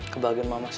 kebahagiaan mama saya